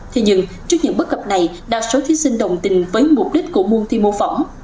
thế nhưng trước những bất cập này đa số thí sinh đồng tình với mục đích của môn thi mô phỏng